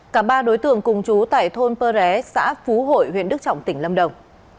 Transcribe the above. cả ba đối tượng cùng chú tại thôn pơ ré xã phú hội huyện đức trọng tỉnh lâm đồng